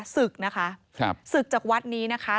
ศึกนะคะศึกจากวัดนี้นะคะ